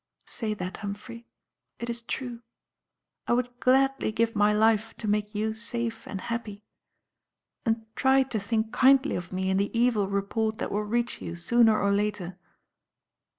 Say that, Humphrey. It is true. I would gladly give my life to make you safe and happy. And try to think kindly of me in the evil report that will reach you sooner or later.